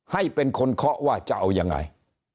ให้เป็นคนเคาะว่าจะเอายังไง